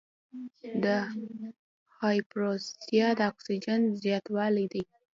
د هایپراکسیا د اکسیجن زیاتوالی دی.